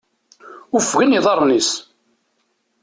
Uffgen iḍarren-is!